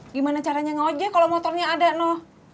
gimana caranya ngajek kalau motornya ada no